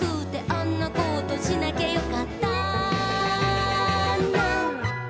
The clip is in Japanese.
「あんなことしなきゃよかったな」